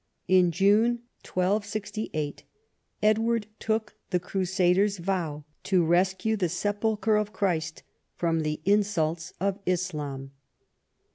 In June 1268 Edward took the crusader's vow to rescue the sepulchre of Christ from the insults of Islam.